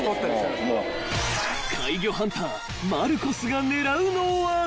［怪魚ハンターマルコスが狙うのは］